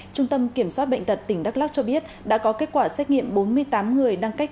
trung tâm kiểm soát bệnh tật tỉnh đắk lắc cho biết đã có kết quả xét nghiệm bốn mươi tám người đang cách